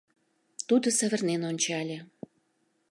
Тудо савырнен ончале.